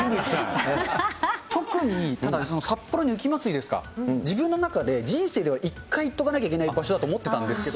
特に札幌の雪まつりですか、自分の中で、人生では１回行っとかなきゃいけない場所だと思ってたんですけど。